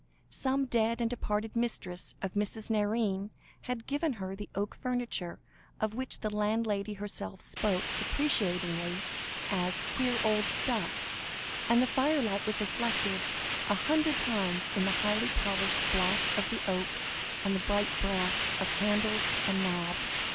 Some dead and departed mistress of Mrs. Nairne, had given her the oak furniture, of which the landlady herself spoke deprecatingly, as "queer old stuff," and the firelight was reflected a hundred times in the highly polished black of the oak, and the bright brass of handles and knobs.